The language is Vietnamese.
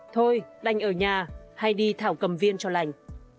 thôi đành ở nhà hay đi thảo cầm viên cho lành